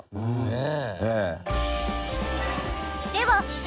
ええ。